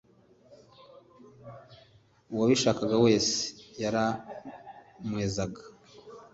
Uwabishakaga wese yaramwezaga